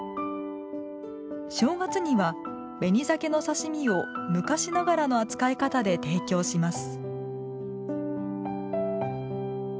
正月には紅ざけの刺身を昔ながらの扱い方で提供します。